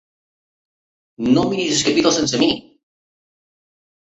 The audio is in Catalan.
No miris el capítol sense mi!